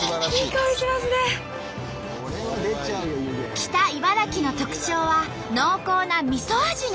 北茨城の特徴は濃厚なみそ味のスープ。